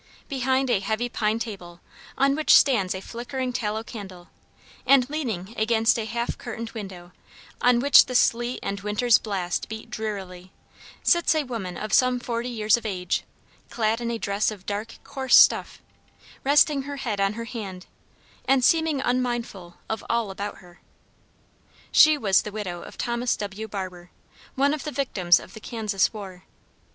Behind a heavy pine table, on which stands a flickering tallow candle, and leaning against a half curtained window on which the sleet and winter's blast beat drearily, sits a woman of some forty years of age, clad in a dress of dark, coarse stuff, resting her head on her hand, and seeming unmindful of all about her. She was the widow of Thomas W. Barber, one of the victims of the Kansas war.